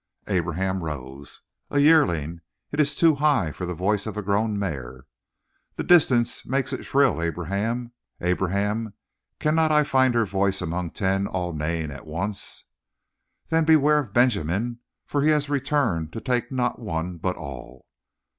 Abraham rose. "A yearling. It is too high for the voice of a grown mare." "The distance makes it shrill. Abraham, Abraham, cannot I find her voice among ten all neighing at once?" "Then beware of Benjamin, for he has returned to take not one but all."